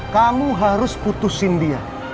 kamu harus putusin dia